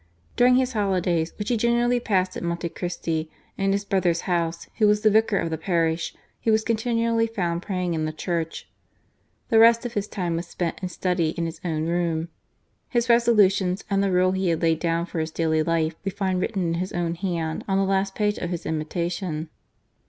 During his holidays, which he generally passed at Monte Christi, in his brother's house, who was the vicar of the parish, he was continually found praying in the church. The rest of his time was spent in study in his own room. His resolutions and the rule he had laid down for his daily life we find written in his own hand on the last page of his Imitation.